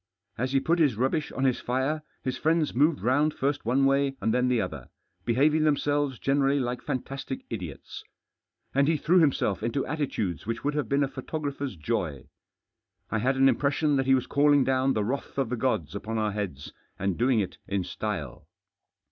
As he put his rubbish on his fire, his friends moved round first one way and then the other, behaving themselves generally like fantastic idiots. And he threw himself into attitudes which would have been a photographer's joy. I had an impression that he was calling down the wrath of the gods upon our heads, and doing it in style.